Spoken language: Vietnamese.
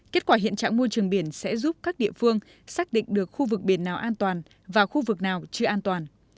kết quả hiện trạng môi trường biển sẽ giúp các địa phương xác định được khu vực biển nào an toàn và khu vực nào chưa an toàn